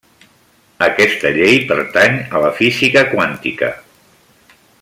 Aquesta llei pertany a la física quàntica.